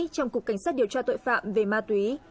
trong cục cảnh sát điều tra tội phạm về ma túy